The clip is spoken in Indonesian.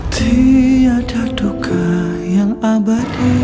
tidak ada duka yang abadi